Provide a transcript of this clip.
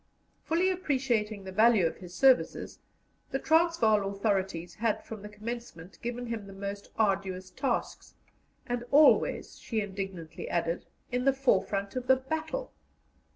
Fully appreciating the value of his services, the Transvaal authorities had from the commencement given him the most arduous tasks, and always, she indignantly added, in the forefront of the battle.